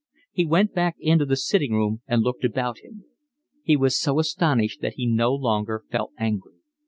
He went back into the sitting room and looked about him. He was so astonished that he no longer felt angry.